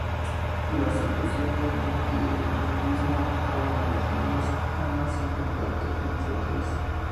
La situación de multilingüismo pone a las lenguas unas en contacto con las otras.